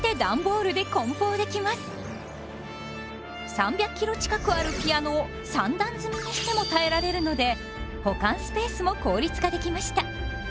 ３００ｋｇ近くあるピアノを三段積みにしても耐えられるので保管スペースも効率化できました。